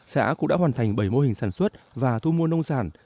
xã cũng đã hoàn thành bảy mô hình sản xuất và thu mua nông sản